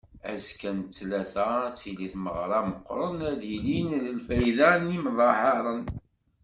Azekka n ttlata ad tili tmeɣra meqqren ara d-yilin i lfayda n yimeḍharen.